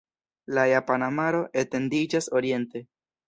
La Japana Maro etendiĝas oriente.